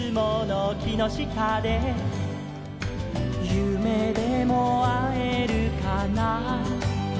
「ゆめでもあえるかな」